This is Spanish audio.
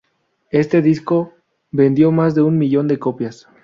Este disco vendió más de un millón de copias.